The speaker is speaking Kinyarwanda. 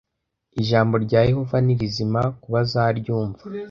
Ijambo rya Yehova ni rizima ku bazaryumva